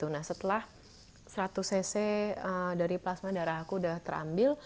nah setelah seratus cc dari plasma darahku sudah terambil